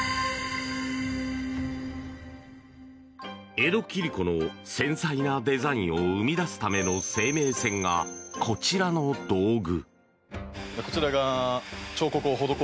江戸切子の繊細なデザインを生み出すための生命線がこちらの道具。